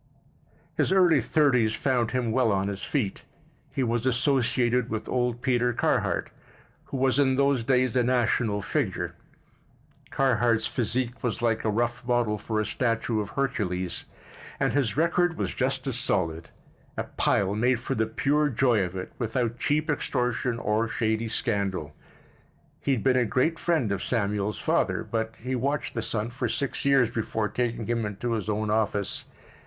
His early thirties found him well on his feet. He was associated with old Peter Carhart, who was in those days a national figure. Carhart's physique was like a rough model for a statue of Hercules, and his record was just as solid—a pile made for the pure joy of it, without cheap extortion or shady scandal. He had been a great friend of Samuel's father, but he watched the son for six years before taking him into his own office.